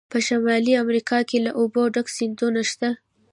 په شمالي امریکا کې له اوبو ډک سیندونه شته.